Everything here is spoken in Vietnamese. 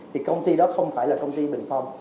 thì công ty đó không phải là công ty bình phong